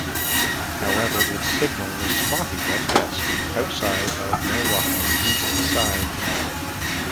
However, its signal was spotty at best outside of Milwaukee's East Side.